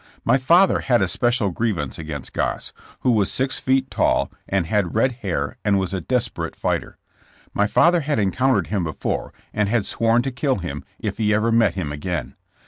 My father had a special grievance against Goss, who was six feet tall and had red hair and was a desperate fighter. My father had encountered him before and had sworn to kill him if he ever met him again.